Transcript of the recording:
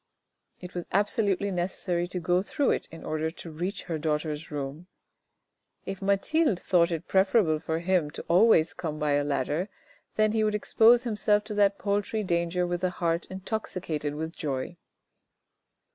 It was absolutely necessary to go through it in order to reach her daughter's room. If Mathilde thought it preferable for him always to come by a ladder, then he would expose himself to that paltry danger with a heart intoxicated with joy.